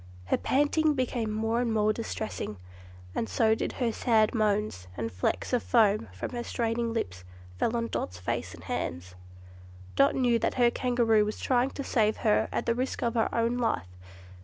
Her panting became more and more distressing, and so did her sad moans and flecks of foam from her straining lips fell on Dot's face and hands. Dot knew that her Kangaroo was trying to save her at the risk of her own life.